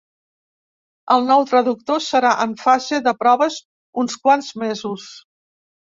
El nou traductor serà en fase de proves uns quants mesos.